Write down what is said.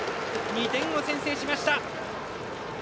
２点を先制しました。